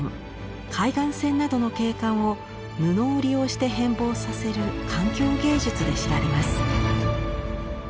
海岸線などの景観を布を利用して変貌させる環境芸術で知られます。